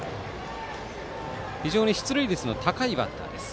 非常に出塁率の高いバッターです。